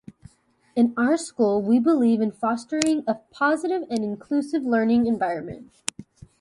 In our school, we believe in fostering a positive and inclusive learning environment.